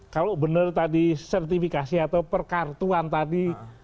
kalau benar tadi sertifikasi atau perkartuan tadi